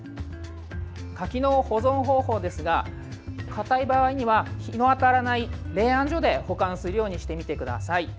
柿の保存方法ですがかたい場合には日の当たらない冷暗所で保管するようにしてみてください。